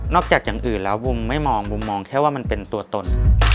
จากอย่างอื่นแล้วบุมไม่มองบุมมองแค่ว่ามันเป็นตัวตน